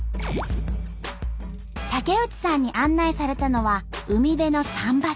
竹内さんに案内されたのは海辺の桟橋。